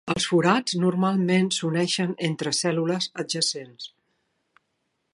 Els forats normalment s'uneixen entre cèl·lules adjacents.